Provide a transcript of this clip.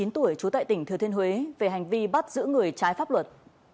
hai mươi chín tuổi chú tại tỉnh thừa thiên huế về hành vi bắt giữ người trái pháp luật